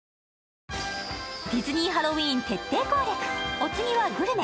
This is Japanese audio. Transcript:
お次はグルメ。